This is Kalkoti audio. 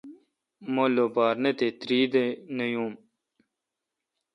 مہ لوپار نہ تہ تیردہ نہ یون۔